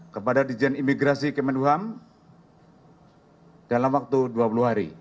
kepada dijan imigrasi kemenuhan dalam waktu dua puluh hari